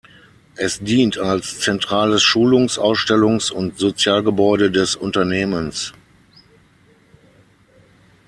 Es dient als zentrales Schulungs-, Ausstellungs- und Sozialgebäude des Unternehmens.